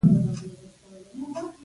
له همدې قاعدې مستثنی نه دي.